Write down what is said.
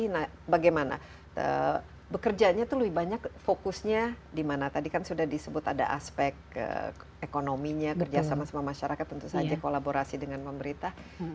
nah bagaimana bekerjanya itu lebih banyak fokusnya di mana tadi kan sudah disebut ada aspek ekonominya kerjasama sama masyarakat tentu saja kolaborasi dengan pemerintah